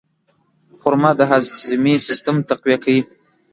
خرما د هاضمې سیستم تقویه کوي.